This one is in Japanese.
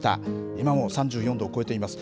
今も３４度を超えています。